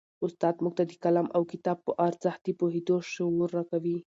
استاد موږ ته د قلم او کتاب په ارزښت د پوهېدو شعور راکوي.